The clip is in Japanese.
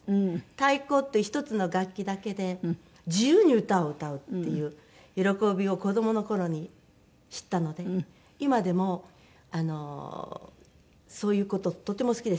太鼓という一つの楽器だけで自由に歌を歌うっていう喜びを子どもの頃に知ったので今でもそういう事とても好きです。